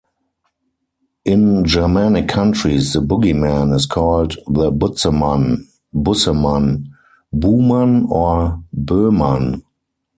In Germanic countries, the bogeyman is called the "butzemann", "busseman", "buhman", or "boeman".